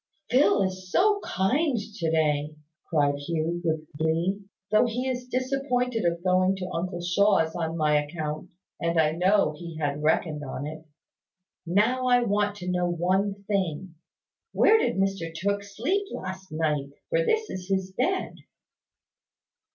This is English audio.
"Phil is so kind to day!" cried Hugh, with glee; "though he is disappointed of going to uncle Shaw's on my account. And I know he had reckoned on it. Now, I want to know one thing, where did Mr Tooke sleep last night? For this is his bed."